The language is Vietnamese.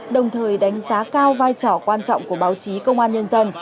đồng thời đánh giá cao vai trò quan trọng của báo chí công an nhân dân